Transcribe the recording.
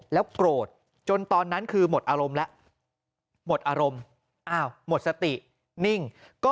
แล้วโกรธจนตอนนั้นคือหมดอารมณ์แล้วหมดอารมณ์หมดสตินิ่งก็